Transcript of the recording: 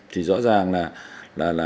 thì rõ ràng là